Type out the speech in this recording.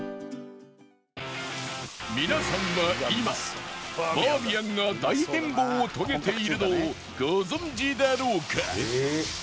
皆さんは今バーミヤンが大変貌を遂げているのをご存じだろうか？